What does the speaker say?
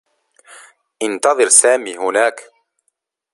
انتظر سامي هناك.